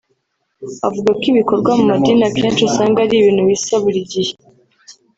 Avuga ko ibikorwa mu madini akenshi usanga ari ibintu bisa buri gihe